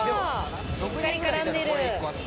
しっかり絡んでる。